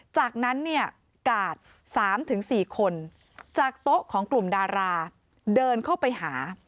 จากนั้นเนี่ยกาด๓๔คนจากโต๊ะของกลุ่มดาราเดินเข้าไปหา